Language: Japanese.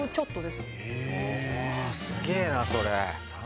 うわすげえなそれ。